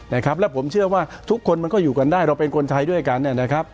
และผมเชื่อว่าทุกคนมันก็อยู่กันได้เราเป็นคนไทยด้วยกัน